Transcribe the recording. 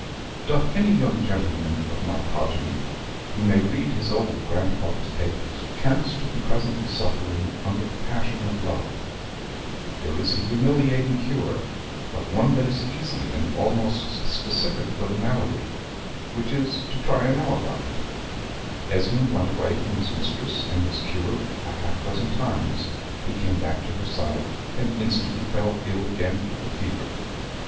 Doth any young gentleman of my progeny, who may read his old grandfather's papers, chance to be presently suffering under the passion of Love? There is a humiliating cure, but one that is easy and almost specific for the malady which is, to try an alibi. Esmond went away from his mistress and was cured a half dozen times; he came back to her side, and instantly fell ill again of the fever.